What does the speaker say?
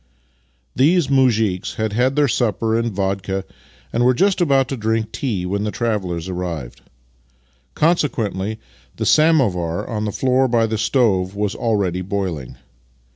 These mtizhiks had had their supper and vodka, and were just about to drink tea when the travellers arrived. Consequently, the samovar on the floor by the stove was already boiling.